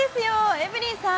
エブリンさん